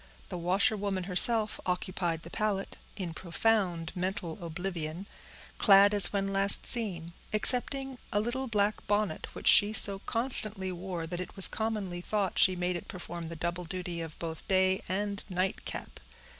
The washerwoman herself occupied the pallet, in profound mental oblivion, clad as when last seen, excepting a little black bonnet, which she so constantly wore, that it was commonly thought she made it perform the double duty of both day and night cap.